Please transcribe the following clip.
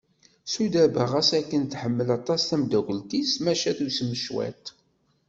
Sudaba ɣas akken tḥemmel aṭas tameddakelt-is maca tusem cwiṭ.